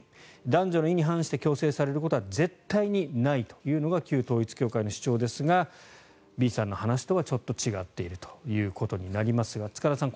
男女の意に反して強制されることは絶対にないというのが旧統一教会の主張ですがＢさんの話とはちょっと違っているということになりますが塚田さん